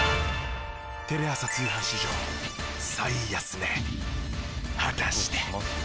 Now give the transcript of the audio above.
テレ朝通販史上最安値果たして。